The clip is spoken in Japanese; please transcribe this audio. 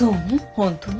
本当に。